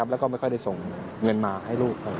แล้วก็ไม่ค่อยได้ส่งเงินมาให้ลูก